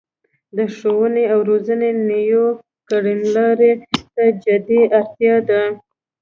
د ښوونې او روزنې نويو کړنلارو ته جدي اړتیا ده